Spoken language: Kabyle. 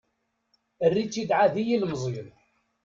Err-itt-id ɛad i yilmeẓyen.